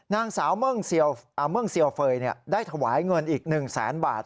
นางสาวเมืองเซียวเฟย์ได้ถวายเงินอีก๑แสนบาท